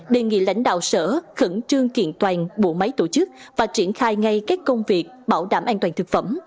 đề nghị lãnh đạo sở khẩn trương kiện toàn bộ máy tổ chức và triển khai ngay các công việc bảo đảm an toàn thực phẩm